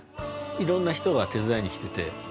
いろんな人が手伝いに来てて。